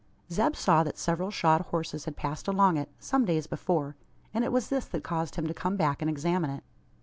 Zeb saw that several shod horses had passed along it, some days before: and it was this that caused him to come back and examine it.